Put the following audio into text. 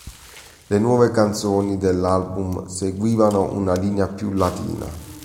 Le nuove canzoni dell'album seguivano una linea più Latina.